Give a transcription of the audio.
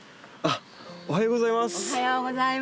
おはようございます。